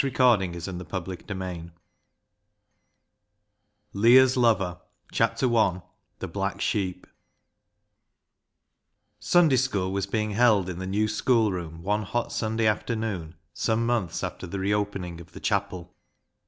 Leah's Lover I The Black Sheep Leah's Lover I The Black Sheep Sunday School was being held in the new schoolroom one hot Sunday afternoon some months after the reopening of the chapel.